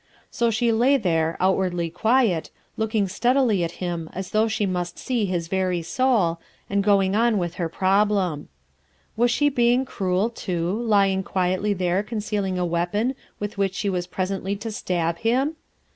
So she lay there, outwardly quiet, looking steadily at Mm as though she must see hi3 very soul, and going on with her problem. Was she being cruel, too, lying quietly there concealing a weapon with which she was presently to stab him